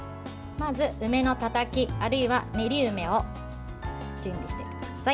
まず梅のたたきあるいはねり梅を準備してください。